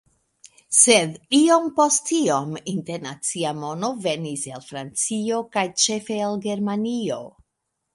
Sed iom post iom internacia mono venis el Francio kaj ĉefe el Germanio.